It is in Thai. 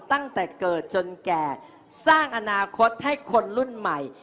ตั้งแต่เกิดจนแก่สร้างอนาคตให้คนรุ่นใหม่